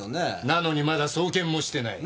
なのにまだ送検もしてない。